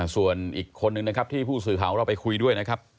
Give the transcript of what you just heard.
ส่วนอีกคนนึงนะครับที่ผู้สื่อข่าวของเราไปคุยด้วยนะครับ